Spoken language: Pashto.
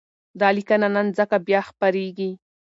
دا لیکنه نن ځکه بیا خپرېږي،